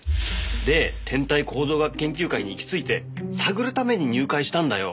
で天体構造学研究会に行きついて探るために入会したんだよ。